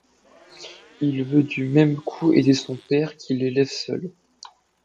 Il veut du même coup aider son père, qui l'élève seul.